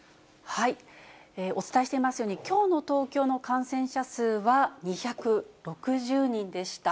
お伝えしていますように、きょうの東京の感染者数は２６０人でした。